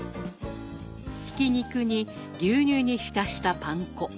ひき肉に牛乳に浸したパン粉。